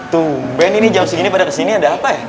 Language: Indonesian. tuh ben ini jam segini pada kesini ada apa ya